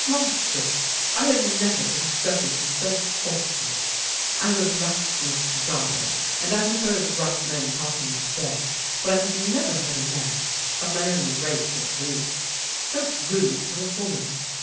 "" Monsieur, I have never been spoken to so coarsely. i am a blacksmith's daughter, and I have heard rough men talk in my day; but I have never heard a man — of my own race at least — so rude to a woman.